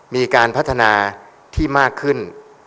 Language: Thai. มีการพัฒนาที่มากขึ้น